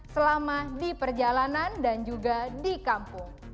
selama di perjalanan dan juga di kampung